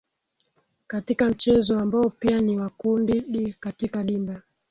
katika mchezo ambao pia ni wa kundi d katika dimba